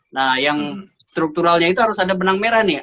nah yang strukturalnya itu harus ada benang merah nih